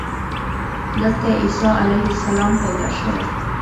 دلته عیسی علیه السلام پیدا شوی.